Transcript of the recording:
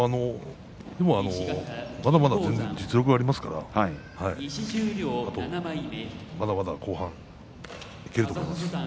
まだまだ全然実力がありますからまだまだ後半いけると思います。